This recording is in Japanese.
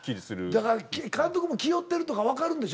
だから監督も気負ってるとかわかるんでしょ？